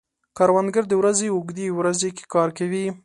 کروندګر د ورځې اوږدې ورځې کار کوي